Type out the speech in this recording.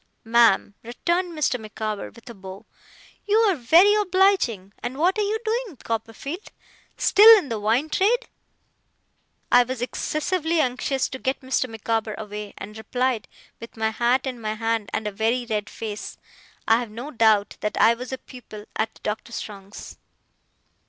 'Ma'am,' returned Mr. Micawber, with a bow, 'you are very obliging: and what are you doing, Copperfield? Still in the wine trade?' I was excessively anxious to get Mr. Micawber away; and replied, with my hat in my hand, and a very red face, I have no doubt, that I was a pupil at Doctor Strong's.